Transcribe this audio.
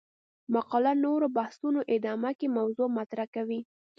مقاله نورو بحثونو ادامه کې موضوع مطرح کوي.